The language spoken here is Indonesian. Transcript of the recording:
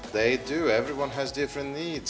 mereka melakukan hal yang berbeda